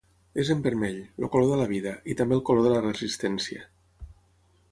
És en vermell, el color de la vida, i també el color de la resistència.